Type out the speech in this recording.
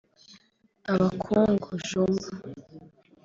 Abakungu (Jumba)